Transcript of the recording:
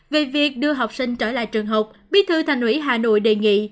về việc đưa học sinh trở lại trường học bí thư thành ủy hà nội đề nghị